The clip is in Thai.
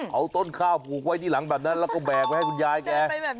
เอาต้นข้าวผูกไว้ที่หลังแบบนั้นแล้วก็แบกไว้ให้คุณยายแก